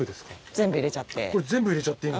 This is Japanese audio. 全部入れちゃっていい？